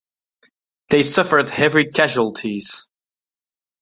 They suffered heavy casualties.